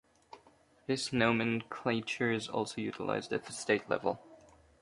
This nomenclature is also utilized at the state level.